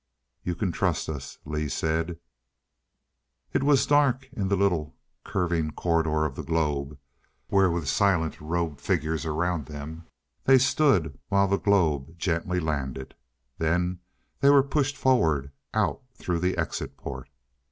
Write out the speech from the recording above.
"You can trust us," Lee said. It was dark in the little curving corridor of the globe, where with silent robed figures around them, they stood while the globe gently landed. Then they were pushed forward, out through the exit port.